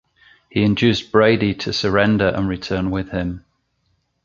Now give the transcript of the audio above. He induced Brady to surrender and return with him.